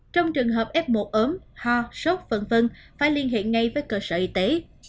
trong trường hợp f một ốm ho sốt v v phải liên hiện ngay với cơ sở y tế